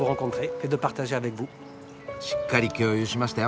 しっかり共有しましたよ。